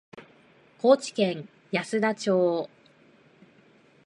高知県安田町